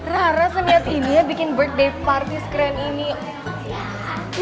rara semiait ini ya bikin birthday party sekeren ini